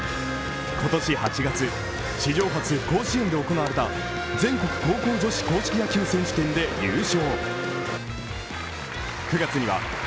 今年８月に史上初の甲子園で行われた全国高校女子硬式野球選手権で優勝。